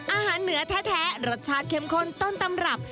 อาหารเหนือแท้รสชาติเข้มข้นต้นตำรับ